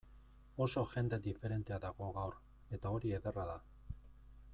Oso jende diferentea dago gaur, eta hori ederra da.